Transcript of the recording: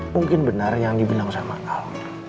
mungkin benar yang dibilang sama al